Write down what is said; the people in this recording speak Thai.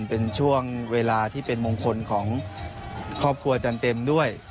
เป็นช่วงเวลาที่เป็นมงคลของครอบครัวอาจารย์เต็มด้วย